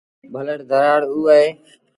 ڀلڙ ڌرآڙ اوٚ اهي۔